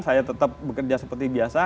saya tetap bekerja seperti biasa